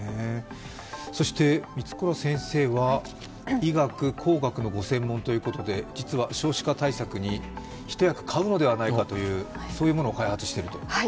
そして満倉先生は医学・工学のご専門ということで実は少子化対策に一役買うのではないかというものを開発していると。